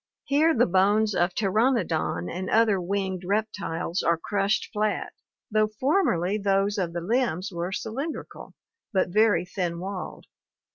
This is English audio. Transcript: Here the bones of Pteranodon and other winged reptiles are crushed flat, though formerly those of the limbs were cylindrical, but very thin walled.